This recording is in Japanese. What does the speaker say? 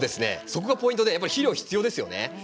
そこがポイントで肥料は必要ですよね。